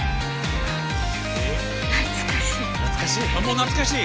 懐かしい。